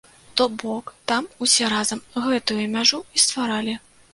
То бок, там усе разам гэтую мяжу і стваралі.